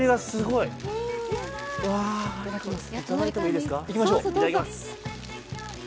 いただきます。